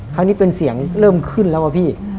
ครั้งนี้เป็นเสียงเริ่มขึ้นแล้วอะพี่